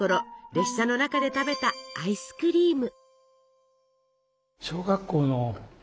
列車の中で食べたアイスクリーム。